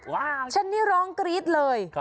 ฉันนี่ร้องกรี๊ดเลย